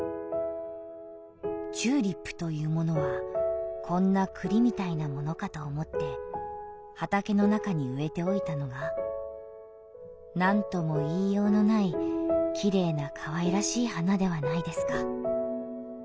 「チューリップというものはこんな栗みたいなものかと思って畑の中に植えておいたのがなんとも言いようのない綺麗な可愛らしい花ではないですか」。